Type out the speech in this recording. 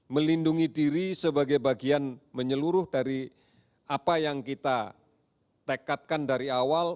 melindungi diri sebagai bagian menyeluruh dari apa yang kita tekadkan dari awal